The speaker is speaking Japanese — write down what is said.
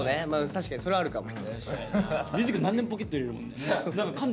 確かにそれはあるかも。